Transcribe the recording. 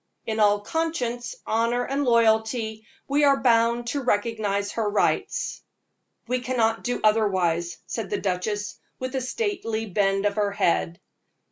In all conscience, honor and loyalty, we are bound to recognize her rights." "We cannot do otherwise," said the duchess, with a stately bend of her head.